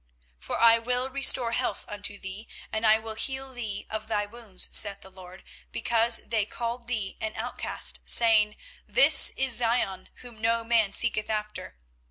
24:030:017 For I will restore health unto thee, and I will heal thee of thy wounds, saith the LORD; because they called thee an Outcast, saying, This is Zion, whom no man seeketh after.